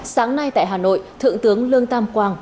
sáng nay tại hà nội thượng tướng lương tam quang